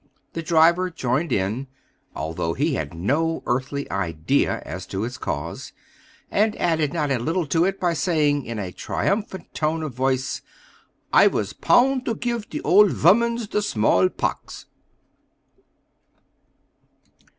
The driver joined in, although he had no earthly idea as to its cause, and added not a little to it by saying, in a triumphant tone of voice, "I vos pound to gif ter olt voomans ter small pox!"